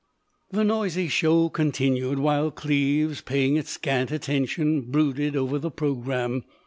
'" The noisy show continued while Cleves, paying it scant attention, brooded over the programme.